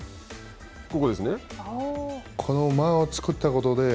ここです。